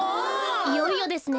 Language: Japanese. いよいよですね。